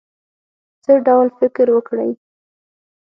څه ډول فکر وکړی.